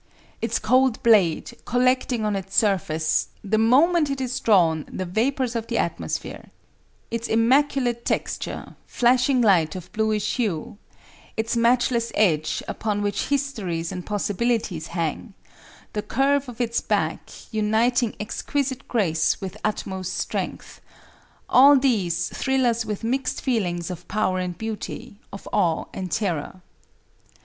Its cold blade, collecting on its surface the moment it is drawn the vapors of the atmosphere; its immaculate texture, flashing light of bluish hue; its matchless edge, upon which histories and possibilities hang; the curve of its back, uniting exquisite grace with utmost strength;—all these thrill us with mixed feelings of power and beauty, of awe and terror.